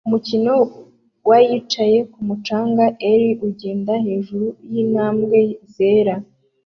Umukino wa yicaye kumu canga er ugenda hejuru yintambwe zera